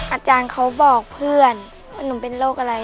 อาจารย์เขาบอกเพื่อนว่าหนูเป็นโรคอะไร